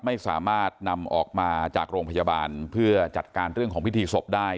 ไม่สามารถนำออกมาจากโรงพยาบาลเพื่อจัดการเรื่องของพิธีศพได้